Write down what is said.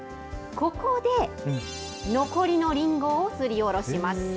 ここで残りのりんごをすりおろします。